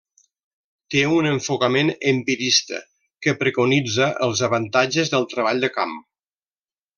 Té un enfocament empirista que preconitza els avantatges del treball de camp.